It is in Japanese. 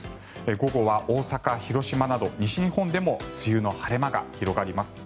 午後は大阪、広島など西日本でも梅雨の晴れ間が広がります。